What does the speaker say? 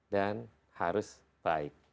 dan harus baik